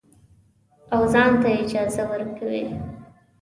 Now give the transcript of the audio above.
او ځان ته اجازه ورکوي.